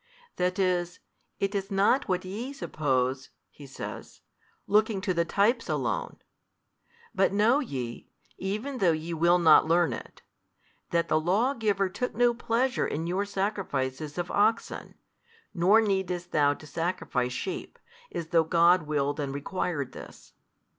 That is, it is not what YE supposed (He says) looking to the types alone; but know ye, even though ye will not learn it, that the Lawgiver took no pleasure in your sacrifices of oxen, nor needest thou to sacrifice sheep, as though God willed and required this.